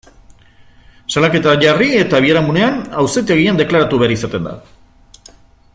Salaketa jarri eta biharamunean, auzitegian deklaratu behar izaten da.